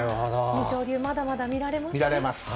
二刀流、まだまだ見られます見られます。